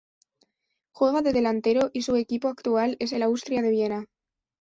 Juega de delantero y su equipo actual es el Austria de Viena.